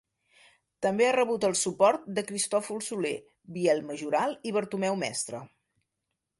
També ha rebut el suport de Cristòfol Soler, Biel Majoral i Bartomeu Mestre.